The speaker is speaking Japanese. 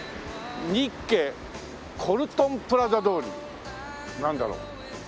「ニッケコルトンプラザ通り」なんだろう？